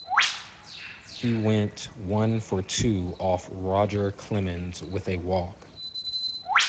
He went one-for-two off Roger Clemens with a walk.